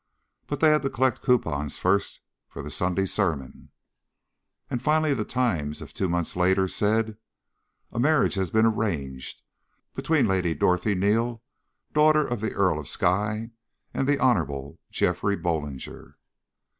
But they had to collect coupons first for The Sunday Sermon. And finally The Times of two months later, said: "A marriage has been arranged between Lady Dorothy Neal, daughter of the Earl of Skye, and the Hon. Geoffrey Bollinger."